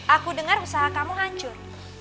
aku dengar usaha kamu hancur